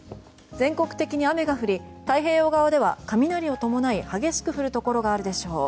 全国的に雨が降り太平洋側では雷を伴い激しく降るところがあるでしょう。